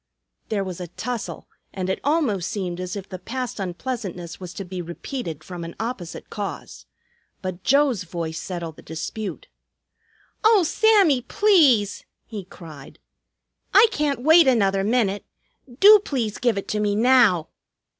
There was a tussle, and it almost seemed as if the past unpleasantness was to be repeated from an opposite cause. But Joe's voice settled the dispute. "Oh, Sammy, please!" he cried. "I can't wait another minute. Do please give it to me now!"